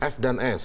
f dan s